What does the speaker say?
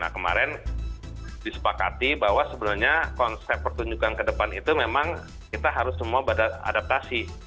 kemarin disepakati bahwa sebenarnya konsep pertunjukan ke depan itu memang kita harus semua adaptasi